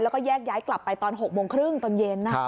แล้วก็แยกย้ายกลับไปตอน๖โมงครึ่งตอนเย็น